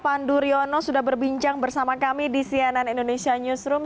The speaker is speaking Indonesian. pandu riono sudah berbincang bersama kami di cnn indonesia newsroom